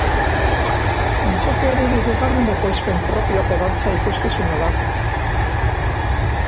Antzokiaren hirugarren ekoizpen propioko dantza ikuskizuna da.